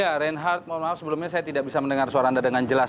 ya reinhardt mohon maaf sebelumnya saya tidak bisa mendengar suara anda dengan jelas